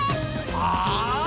ああ。